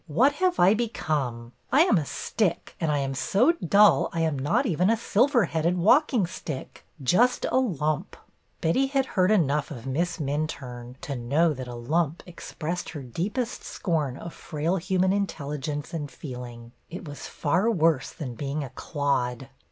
What have I become? I am a stick, and I am so dull I am not even a silver headed walking stick, just a lump!" Betty had heard enough of Miss Minturne to know that a " lump " expressed her deepest scorn of frail human intelligence and feeling. It was far worse than being a " clod."